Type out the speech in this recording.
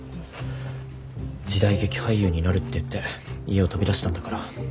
時代劇俳優になるって言って家を飛び出したんだから。